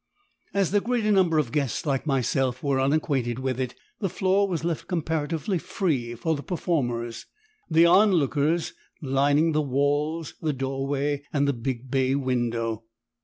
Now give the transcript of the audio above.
As the greater number of the guests, like myself, were unacquainted with it, the floor was left comparatively free for the performers, the onlookers lining the walls, the doorway, and the big bay window.